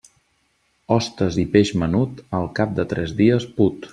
Hostes i peix menut, al cap de tres dies put.